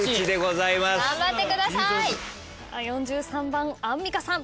４３番アンミカさん。